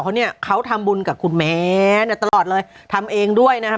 เขาเนี่ยเขาทำบุญกับคุณแม่น่ะตลอดเลยทำเองด้วยนะครับ